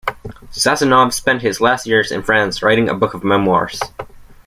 Sazonov spent his last years in France writing a book of memoirs.